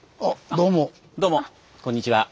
どうもこんにちは。